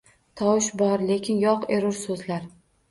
Tovush bor va lekin yo’q erur so’zlar.